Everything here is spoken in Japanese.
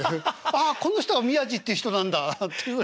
あっこの人が宮治って人なんだっていう。